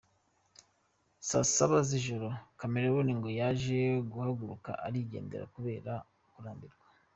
Saa Saba z'ijoro Chameleone ngo yaje guhaguruka arigendera kubera kurambirwa.